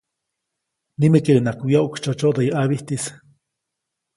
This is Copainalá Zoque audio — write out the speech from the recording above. Nimekeʼunŋaʼak wyoʼksytsyoʼtsyoʼdäyu ʼabijtis.